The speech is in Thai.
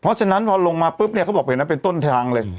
เพราะฉะนั้นพอลงมาปุ๊บเนี่ยเค้าบอกว่าเป็นต้นทางเลย